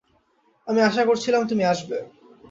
আমি আশা করছিলাম তুমি আসবে।